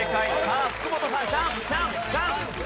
さあ福本さんチャンスチャンスチャンス！